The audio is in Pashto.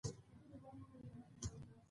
نو ډیر هم نه دي.